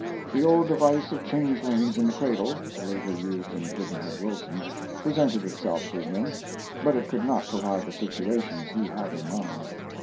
The old device of changelings in the cradle (later used in Pudd'nhead Wilson) presented itself to him, but it could not provide the situations he had in mind.